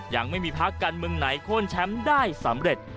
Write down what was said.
ยังไม่มีภาคการเมืองไหนโค้นแชมป์ได้สำเร็จ